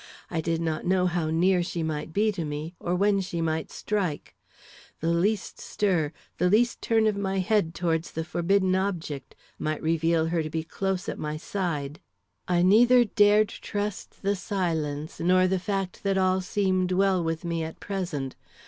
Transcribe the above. I did not know how near she might be to me, or when she might strike. The least stir, the least turn of my head towards the forbidden object, might reveal her to be close at my side. I neither dared trust the silence nor the fact that all seemed well with me at present.